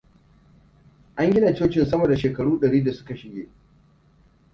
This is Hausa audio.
An gina cocin sama da shekaru dari da suka shige.